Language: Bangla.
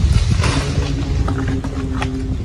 আর আমি যখন তোমার দিকে তাকাই আমি নিজেকে দেখতে পায়।